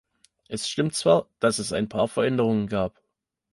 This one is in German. Es stimmt zwar, dass es ein paar Veränderungen gab.